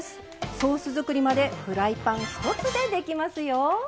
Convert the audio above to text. ソース作りまでフライパン１つでできますよ。